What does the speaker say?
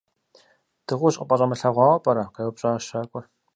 - Дыгъужь къыпӏэщӏэмылъэгъуауэ пӏэрэ? - къеупщӏащ щакӏуэр.